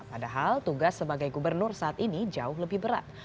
padahal tugas sebagai gubernur saat ini jauh lebih berat